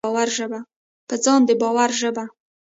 په ځان د باور ژبه: